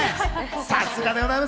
さすがでございます。